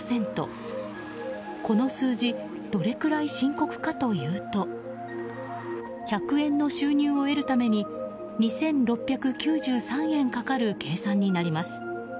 この数字どれくらい深刻かというと１００円の収入を得るために２６９３円かかる計算になります。